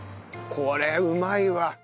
これうまいわ。